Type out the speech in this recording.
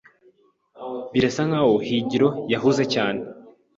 Birasa nkaho Higiro yahuze cyane.